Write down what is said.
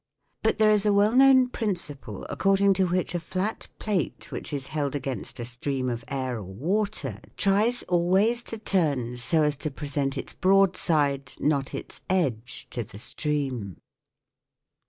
But there is a well known principle according to which a flat plate which is held against a stream of air or water tries always to turn so as to present its broadside, not its edge, to the stream.